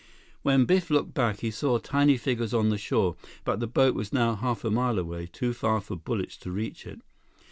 When Biff looked back, he saw tiny figures on the shore, but the boat was now half a mile away, too far for bullets to reach it.